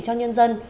cho nhân dân